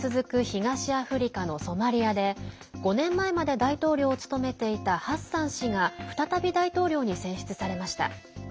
東アフリカのソマリアで５年前まで大統領を務めていたハッサン氏が再び大統領に選出されました。